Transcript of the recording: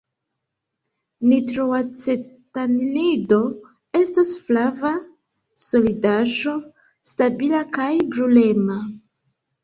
Nitroacetanilido estas flava solidaĵo stabila kaj brulema.